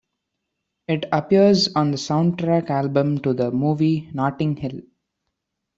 It appears on the soundtrack album to the movie Notting Hill.